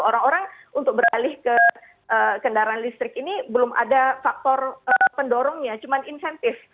orang orang untuk beralih ke kendaraan listrik ini belum ada faktor pendorongnya cuma insentif